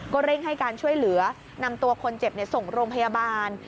เร่งให้การช่วยเหลือนำตัวคนเจ็บส่งโรงพยาบาล